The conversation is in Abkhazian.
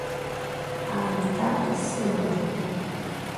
Аамҭак сыман.